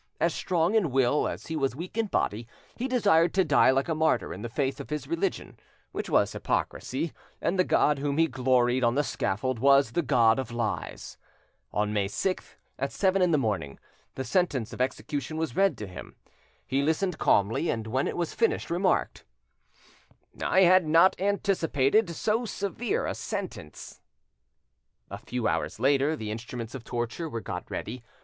As strong in will as he was weak in body, he desired to die like a martyr in the faith of his religion, which was hypocrisy, and the God whom he gloried on the scaffold was the god of lies. On May 6th, at seven in the morning, the sentence of execution was read to him. He listened calmly, and when it was finished, remarked: "I had not anticipated so severe a sentence." A few hours later the instruments of torture were got ready.